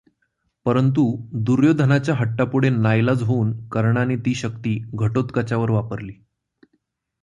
परंतु दुर्योधनाच्या हट्टापुढे नाइलाज होऊन कर्णाने ती शक्ती घटोत्कचावर वापरली.